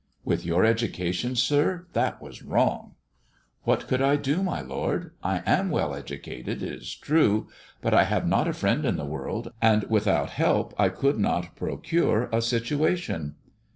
" With your education, sir, that was wrong." " What could I do, my lord 1 I am well educated, it is true ; but I have not a friend in the world, and without help I could not procure a situation."